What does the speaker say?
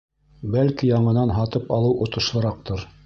Бәлки яңынан һатып алыу отошлораҡтыр?